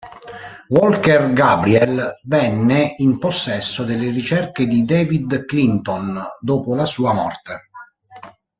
Walker Gabriel venne in possesso delle ricerche di David Clinton dopo la sua morte.